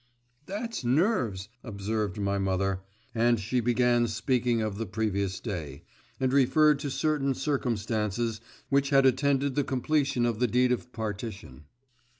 'That's nerves,' observed my mother, and she began speaking of the previous day, and referred to certain circumstances which had attended the completion of the deed of partition.